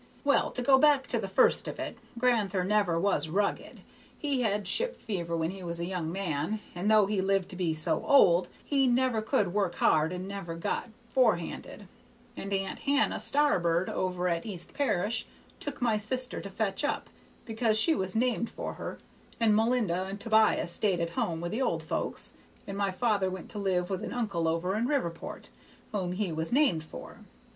Well, to go back to the first of it, gran'ther never was rugged; he had ship fever when he was a young man, and though he lived to be so old, he never could work hard and never got forehanded; and Aunt Hannah Starbird over at East Parish took my sister to fetch up, because she was named for her, and Melinda and Tobias stayed at home with the old folks, and my father went to live with an uncle over in Riverport, whom he was named for.